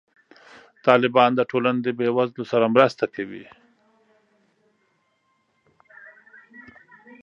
طالبان د ټولنې د بې وزلو سره مرسته کوي.